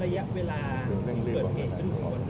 หมอบรรยาหมอบรรยา